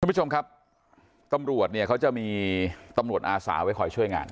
คุณผู้ชมครับตำรวจเนี่ยเขาจะมีตำรวจอาสาไว้คอยช่วยงาน